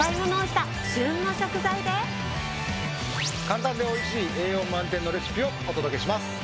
簡単でおいしい栄養満点のレシピをお届けします。